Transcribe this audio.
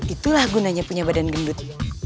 itulah gunanya punya badan gendut